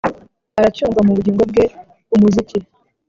aracyumva mu bugingo bwe umuziki